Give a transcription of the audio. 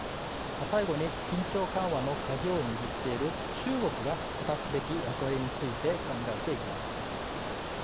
最後に緊張緩和の鍵を握っている中国が果たすべき役割について考えていきます。